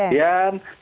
ada perakuan ustastis